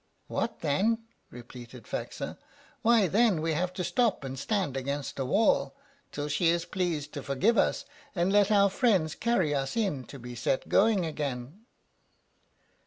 "What then?" repeated Faxa, "why, then we have to stop and stand against a wall, till she is pleased to forgive us, and let our friends carry us in to be set going again."